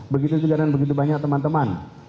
begitu juga dengan begitu banyak teman teman